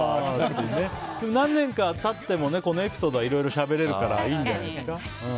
何年か経ってもこのエピソードはいろいろしゃべれるからいいんじゃないですか。